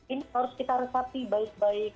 ini harus kita resapi baik baik